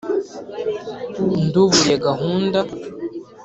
nduburiye gahunda!